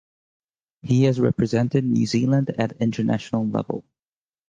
He has represented New Zealand at international level.